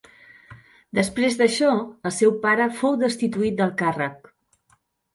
Després d'això, el seu pare, fou destituït del càrrec.